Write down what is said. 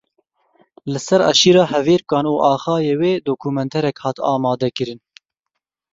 Li ser eşîra Hevêrkan û axayê wê dokumenterek hat amadekirin.